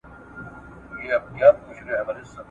کوچ یې کړی دی یارانو مېني توري د رندانو !.